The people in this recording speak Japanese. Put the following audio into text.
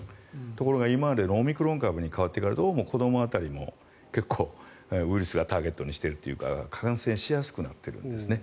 ところがオミクロン株に代わってからどうも子ども辺りも結構、ウイルスがターゲットにしているというか感染しやすくなっているんですね。